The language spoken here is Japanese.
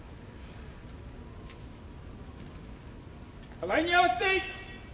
互いに合わせて。